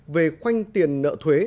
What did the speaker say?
về khoanh tiền nợ thuế